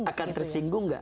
akan tersinggung gak